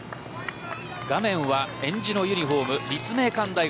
画面はえんじのユニホーム立命館大学。